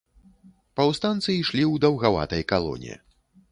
Паўстанцы ішлі ў даўгаватай калоне.